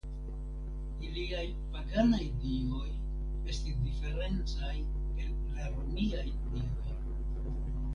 Iliaj paganaj dioj estis diferencaj el la romiaj dioj.